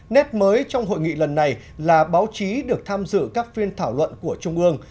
nét mới trong hội nghị lần này là báo chí được tham dự các phiên thảo luận của trung ương